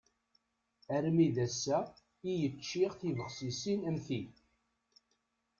Armi d ass-a, i yeččiɣ tibexsisin am ti.